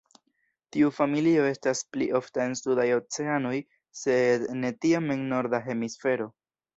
Tiu familio estas pli ofta en sudaj oceanoj sed ne tiom en Norda hemisfero.